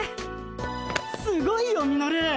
すごいよミノル！